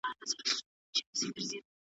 څېړونکی د موضوع مخینه په نظر کې نیسي.